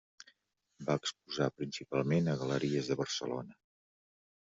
Va exposar principalment a galeries de Barcelona.